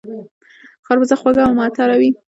خربوزه خوږه او معطره وي